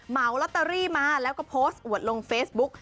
เหมาลอตเตอรี่มาแล้วก็โพสต์อวดลงเฟซบุ๊ก